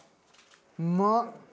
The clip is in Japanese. うまっ！